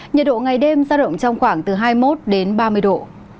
nhiệt độ ngày đêm ra động trong khoảng từ hai mươi một ba mươi độ